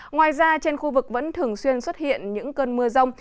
ngoài ra trên khu vực vẫn thường xuyên xuất hiện những cơn mưa rông